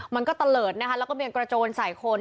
มันก็เตลิดนะคะแล้วก็มีกระโจนใส่คน